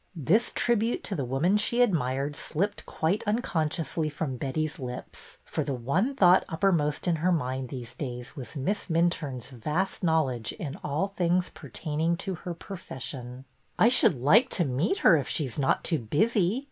This tribute to the woman she admired slipped quite unconsciously from Betty's lips, for the one thought uppermost in her mind these days was Miss Minturne's vast knowledge in all things pertaining to her profession. 20 3o6 BETTY BAIRD'S VENTURES I should like to meet her if she is not too busy."